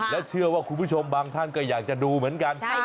และเชื่อว่าคุณผู้ชมบางท่านก็อยากจะดูเหมือนกัน